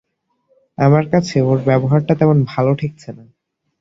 আমার কাছে ওঁর ব্যবহারটা তেমন ভালো ঠেকছে না।